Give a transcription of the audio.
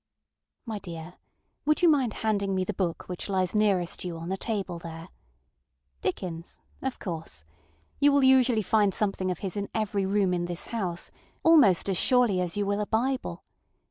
ŌĆØ My dear, would you mind handing me the book which lies nearest you on the table there? ŌĆ£Dickens? ŌĆØ Of course. You will usually find something of his in every room in this houseŌĆöalmost as surely as you will a Bible.